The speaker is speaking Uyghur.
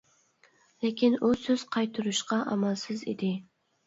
لېكىن ئۇ سۆز قايتۇرۇشقا ئامالسىز ئىدى.